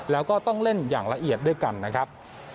แล้วก็ต้องเล่นอย่างละเอียดด้วยกันนะครับ